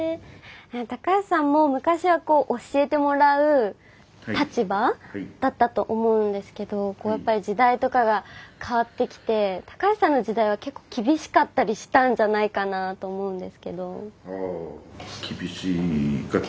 橋さんも昔は教えてもらう立場だったと思うんですけどやっぱり時代とかが変わってきて橋さんの時代は結構厳しかったりしたんじゃないかなと思うんですけど。